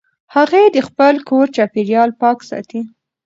هغې د خپل کور چاپېریال پاک ساتي.